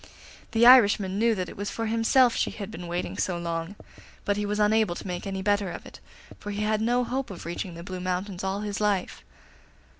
The Irishman knew that it was for himself she had been waiting so long, but he was unable to make any better of it, for he had no hope of reaching the Blue Mountains all his life.